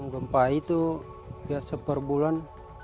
gumpai itu biasa perbulan